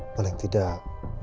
malah yang tidak